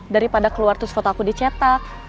daripada keluar terus foto aku dicetak